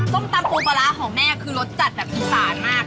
ส้มตำปูปลาร้าของแม่คือรสจัดแบบอีสานมาก